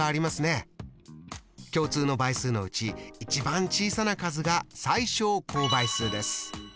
共通の倍数のうち一番小さな数が最小公倍数です。